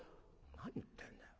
「何言ってんだよ？